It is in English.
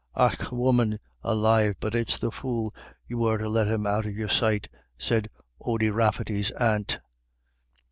"Och, woman alive, but it's the fool you were to let him out of your sight," said Ody Rafferty's aunt.